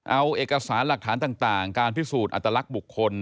เอาเอกสารหลักฐานต่างการพิสูจน์อัตลักษณ์บุคคล